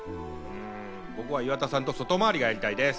僕は岩田さんと外回りがやりたいです。